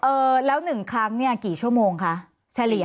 เออแล้วหนึ่งครั้งเนี่ยกี่ชั่วโมงคะเฉลี่ย